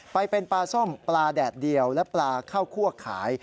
ไปเป็นปลาส้มปลาแดดเดียวและปลาข้าวคั่วขาย